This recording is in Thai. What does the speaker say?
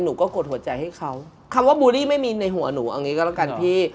หนูก็กดหัวใจให้เขาคำว่าบูลลี่ไม่มีในหัวหนูเอางี้ก็แล้วกันพี่